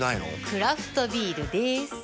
クラフトビールでーす。